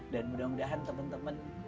dan mudah mudahan teman teman